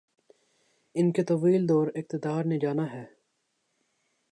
ان کے طویل دور اقتدار نے جانا ہے۔